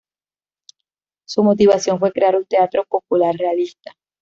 Su motivación fue crear un teatro popular realista.